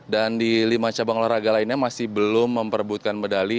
dan di lima cabang olahraga lainnya masih belum memperbutkan medali